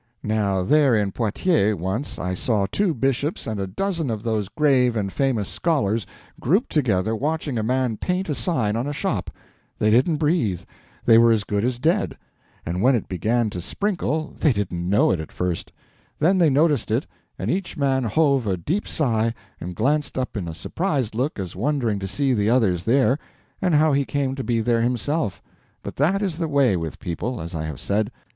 Now there in Poitiers, once, I saw two bishops and a dozen of those grave and famous scholars grouped together watching a man paint a sign on a shop; they didn't breathe, they were as good as dead; and when it began to sprinkle they didn't know it at first; then they noticed it, and each man hove a deep sigh, and glanced up with a surprised look as wondering to see the others there, and how he came to be there himself—but that is the way with people, as I have said.